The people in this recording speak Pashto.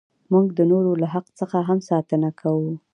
موږ د نورو له حق څخه هم ساتنه کوو.